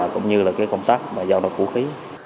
cũng như là công tác giao nộp vũ khí